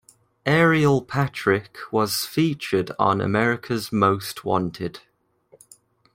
Ariel Patrick was featured on America's Most Wanted.